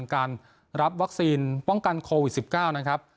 การรับวัคซีนป้องกันโควิด๑๙นะครับ